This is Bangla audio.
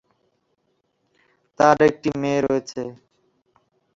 তার একটি মেয়ে রয়েছে।